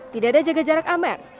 tidak ada jaga jarak amer